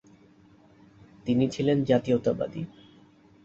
তিনি ছিলেন জাতীয়তাবাদী।